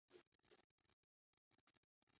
muzi yuko kera Imana yantoranyije